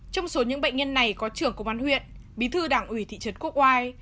trong số những bệnh nhân này có trưởng công an huyện bí thư đảng ủy thị trấn quốc oai